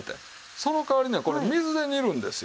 その代わりねこれ水で煮るんですよ。